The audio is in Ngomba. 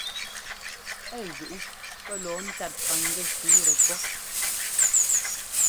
Ɛ zuʼu pɛ́ lɔɔ ńtat paŋgɛ́ shǔtɛ pɔ́.